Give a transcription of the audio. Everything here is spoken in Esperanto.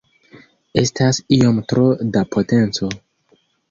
Estas iom tro da potenco.